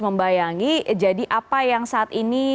membayangi jadi apa yang saat ini